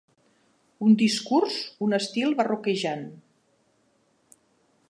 Un discurs, un estil, barroquejant.